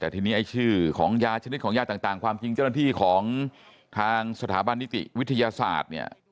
แต่ทีนี้ไอ้ชื่อของยาชนิดของยาต่างความจริงเจ้าหน้าที่ของทางสถาบันนิติวิทยาศาสตร์เนี่ย